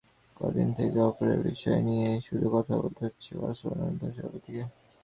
কদিন থেকেই অপ্রিয় বিষয় নিয়েই শুধু কথা বলতে হচ্ছে বার্সেলোনার নতুন সভাপতিকে।